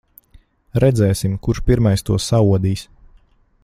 Redzēsim, kurš pirmais to saodīs.